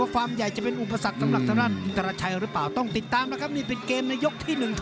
คนบอกเอ๊ะรวมผิดหรือเปล่าไม่ผิด